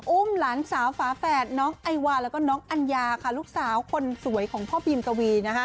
หลานสาวฝาแฝดน้องไอวาแล้วก็น้องอัญญาค่ะลูกสาวคนสวยของพ่อบีมกวี